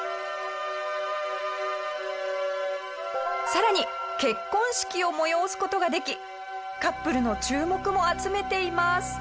さらに結婚式を催す事ができカップルの注目も集めています。